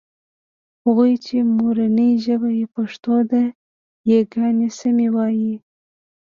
هغوی چې مورنۍ ژبه يې پښتو ده یاګانې سمې وايي